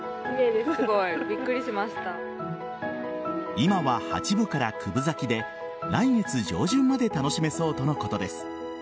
今は八分から九分咲きで来月上旬まで楽しめそうということです。